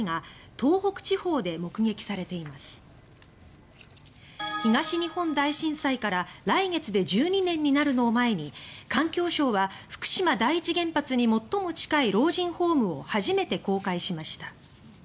東日本大震災から来月で１２年になるのを前に環境省は福島第一原発に最も近い老人ホームを初めて公開しました。